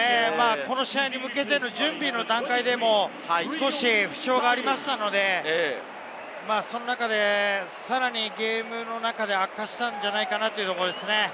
準備の段階でも少し負傷がありましたので、さらにゲームの中で悪化したんじゃないかなというところですね。